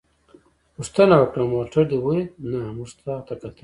پوښتنه وکړه: موټر دې ولید؟ نه، موږ تا ته کتل.